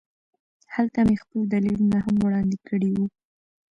هلته مې خپل دلیلونه هم وړاندې کړي وو